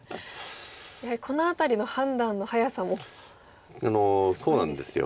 やはりこの辺りの判断の早さもすごいですよね。